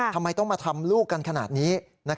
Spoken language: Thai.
ทำไมต้องมาทำลูกกันขนาดนี้